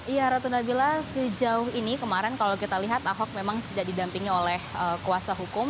iya ratu nabila sejauh ini kemarin kalau kita lihat ahok memang tidak didampingi oleh kuasa hukum